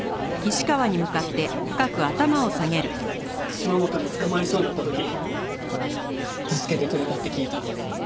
島本に捕まりそうになった時助けてくれたって聞いた。